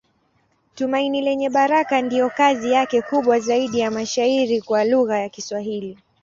Tumaini Lenye Baraka ndiyo kazi yake kubwa zaidi ya mashairi kwa lugha ya Kiswahili.